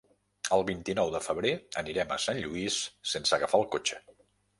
El vint-i-nou de febrer anirem a Sant Lluís sense agafar el cotxe.